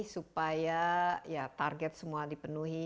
supaya target semua dipenuhi